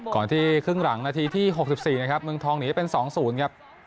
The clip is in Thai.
ก่อนที่ครึ่งหลังนาทีที่๖๔นะครับเมืองทองหนีเป็น๒๐ครับ